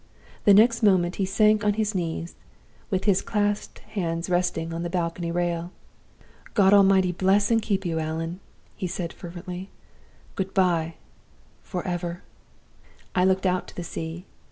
The next moment he sank on his knees, with his clasped hands resting on the balcony rail. 'God Almighty bless and keep you, Allan!' he said, fervently. 'Good by, forever!' "I looked out to the sea.